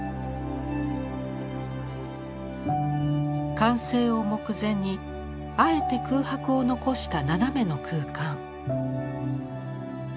完成を目前にあえて空白を残した斜めの空間。